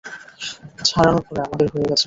ছাড়ানোর পরে, আমাদের হয়ে গেছে।